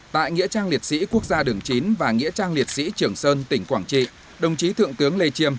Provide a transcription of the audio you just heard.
tại nghĩa trang liệt sĩ quốc gia đường chín và nghĩa trang liệt sĩ trường sơn tỉnh quảng trị đồng chí thượng tướng lê chiêm